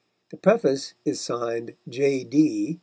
The preface is signed J.D.